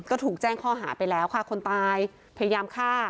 ก็ถูกแจ้งข้อหาไปแล้วค่ะคนตายพยายามฆ่า